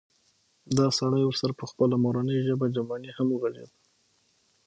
دا سړی ورسره په خپله مورنۍ ژبه جرمني هم غږېده